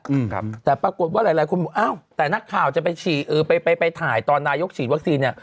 อืมครับแต่ปรากฏว่าหลายหลายคนบอกอ้าวแต่นักข่าวจะไปฉีดเออไปไปถ่ายตอนนายกฉีดวัคซีนเนี้ย